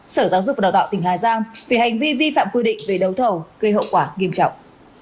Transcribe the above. sở giáo dục và đào tạo tỉnh hà giang vì hành vi vi phạm quy định về đấu thầu gây hậu quả nghiêm trọng